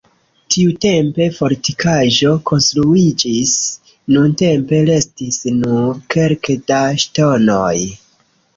Tiutempe fortikaĵo konstruiĝis, nuntempe restis nur kelke da ŝtonoj.